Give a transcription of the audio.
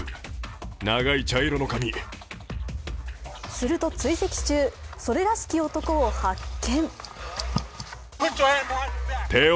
すると追跡中、それらしき男を発見。